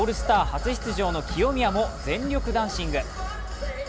初出場の清宮も全力ダンシング。